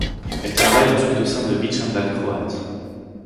Elle travaille ensuite au sein Beach Handball croate.